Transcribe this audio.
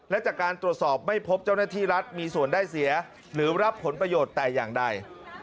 และจากการตรวจสอบไม่พบเจ้าหน้าที่รัฐมีส่วนได้เสียหรือรับผลประโยชน์แต่อย่างใด